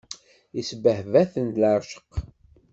Isbehba-ten leεceq.